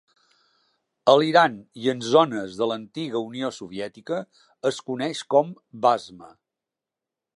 A l'Iran i en zones de l'antiga Unió Soviètica es coneix com basma.